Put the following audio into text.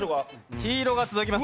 黄色が続きます